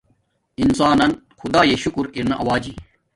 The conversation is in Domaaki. انسان نن خداݵݵ شکر ارنا آوجی